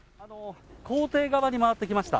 校庭側に回ってきました。